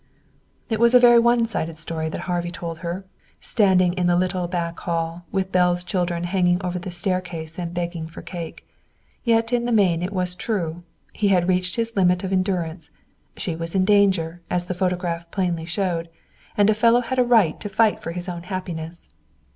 It was a very one sided story that Harvey told her, standing in the little back hall, with Belle's children hanging over the staircase and begging for cake. Yet in the main it was true. He had reached his limit of endurance. She was in danger, as the photograph plainly showed. And a fellow had a right to fight for his own happiness.